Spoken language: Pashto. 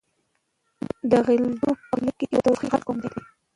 د غلجيو په قبيله کې توخي غټ قوم ده.